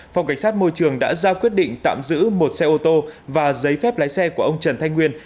phòng cảnh sát môi trường đã ra quyết định tạm giữ một xe ô tô và giấy phép lái xe của ông trần thanh nguyên